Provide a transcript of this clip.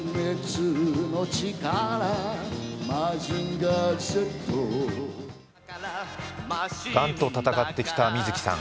がんと闘ってきた水木さん。